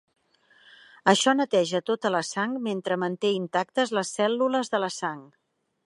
Això neteja tota la sang mentre manté intactes les cèl·lules de la sang.